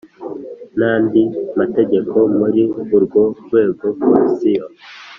n andi mategeko Muri urwo rwego Komisiyo